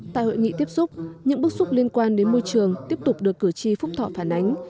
tại hội nghị tiếp xúc những bức xúc liên quan đến môi trường tiếp tục được cử tri phúc thọ phản ánh